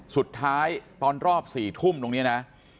สุดท้ายตอนรอบ๔ทุ่มตรงนี้นะ